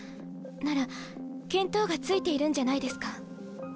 なら見当がついているんじゃないですか？